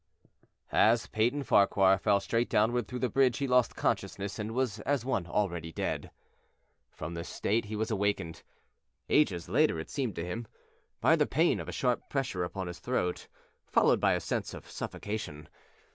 III As Peyton Farquhar fell straight downward through the bridge he lost consciousness and was as one already dead. From this state he was awakened ages later, it seemed to him by the pain of a sharp pressure upon his throat, followed by a sense of suffocation.